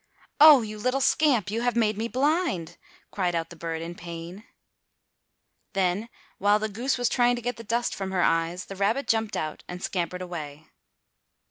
"Oh, oh, you little scamp, you have made me blind," cried out the bird in pain. Then while the goose was trying to get the dust from her eyes the rabbit jumped out and scampered away.